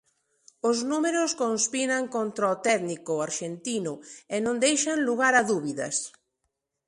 Os números conspiran contra o técnico arxentino e non deixan lugar a dúbidas.